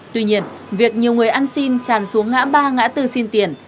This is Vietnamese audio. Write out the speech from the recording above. tuy nhiên việc nhiều người ăn xin tràn xuống ngã ba ngã bốn xin tiền người tham gia giao thông